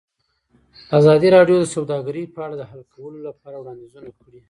ازادي راډیو د سوداګري په اړه د حل کولو لپاره وړاندیزونه کړي.